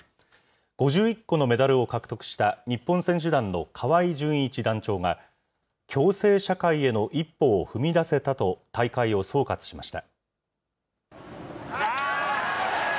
５１個のメダルを獲得した日本選手団の河合純一団長が、共生社会への一歩を踏み出せたと、大会を総括しました。